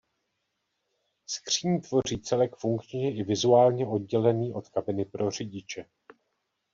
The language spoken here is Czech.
Skříň tvoří celek funkčně i vizuálně odděleny od kabiny pro řidiče.